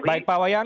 baik pak wayan